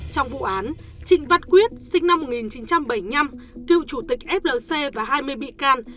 trong vụ án trịnh văn quyết sinh năm một nghìn chín trăm bảy mươi năm cựu chủ tịch flc và hai mươi bị can